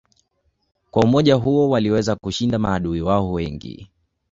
Kwa umoja huo waliweza kushinda maadui wao wengi.